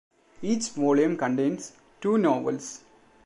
Each volume contains two novels.